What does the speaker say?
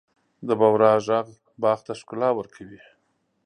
د بورا ږغ باغ ته ښکلا ورکوي.